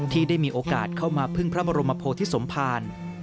ที่ได้มีโอกาสเข้ามาพึ่งพระบรมโพธิสมภาร